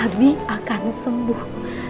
abi akan sembuh